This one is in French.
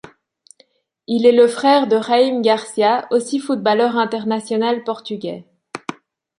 Il est le frère de Jaime Graça, aussi footballeur international portugais.